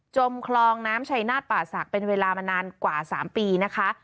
มคลองน้ำชัยนาฏป่าศักดิ์เป็นเวลามานานกว่า๓ปีนะคะ